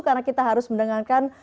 karena kita harus mendengarkan